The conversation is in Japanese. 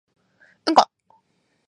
うんこ